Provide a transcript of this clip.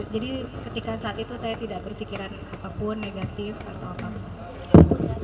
jadi ketika saat itu